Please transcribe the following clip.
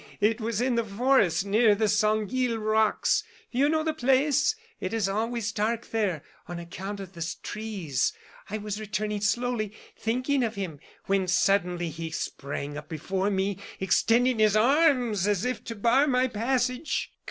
It was in the forest near the Sanguille rocks. You know the place; it is always dark there, on account of the trees. I was returning slowly, thinking of him, when suddenly he sprang up before me, extending his arms as if to bar my passage.